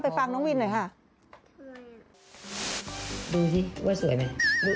ดูสิว่าสวยไหมหน้าตาเป็นยังไงดู